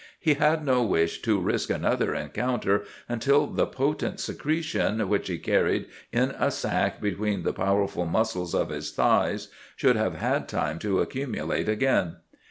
He had no wish to risk another encounter until the potent secretion which he carried in a sac between the powerful muscles of his thighs should have had time to accumulate again.